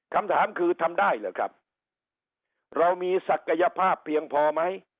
คำถามคือทำได้เหรอครับเรามีศักยภาพเพียงพอไหม